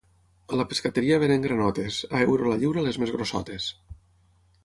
A la pescateria venen granotes, a euro la lliura les més grossotes.